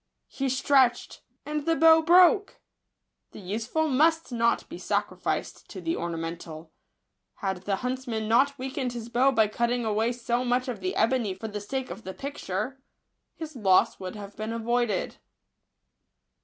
He stretched — and the bow broke ! The useful must not be sacrificed to the orna mental. Had the huntsman not weakened his bow by cutting away so much of the ebony for the sake of the picture, his loss would have been avoided.